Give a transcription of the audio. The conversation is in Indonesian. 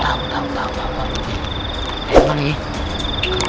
aduh aduh aduhbeit